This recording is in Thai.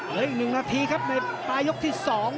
เหลืออีก๑นาทีครับในปลายกที่๒